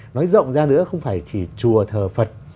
nói rộng ra nữa không phải chỉ chùa thờ phật